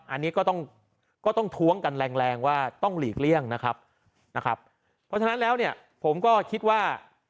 อันนี้ก็ต้องก็ต้องท้วงกันแรงแรงว่าต้องหลีกเลี่ยงนะครับนะครับเพราะฉะนั้นแล้วเนี่ยผมก็คิดว่า